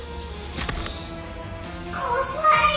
怖い。